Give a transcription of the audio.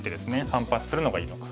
反発するのがいいのか。